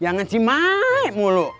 jangan si maek mulu